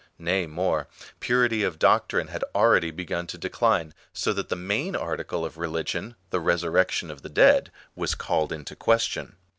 Nay more, purity of doctrine had already begun to decline, so that the main article of religion — the resurrection of the dead — was called in question.